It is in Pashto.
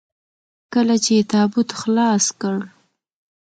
کله چې يې تابوت خلاص کړ.